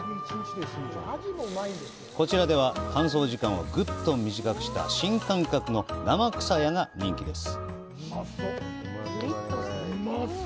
こちらでは、乾燥時間をぐっと短くした新感覚の「生くさや」が人気です。